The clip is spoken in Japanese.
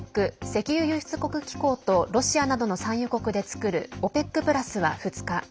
ＯＰＥＣ＝石油輸出国機構とロシアなどの産油国で作るＯＰＥＣプラスは２日